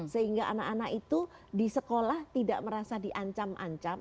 sehingga anak anak itu di sekolah tidak merasa diancam ancam